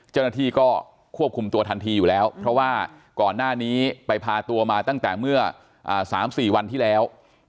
เจ้าหน้าที่ก็ควบคุมตัวทันทีอยู่แล้วเพราะว่าก่อนหน้านี้ไปพาตัวมาตั้งแต่เมื่อ๓๔วันที่แล้ว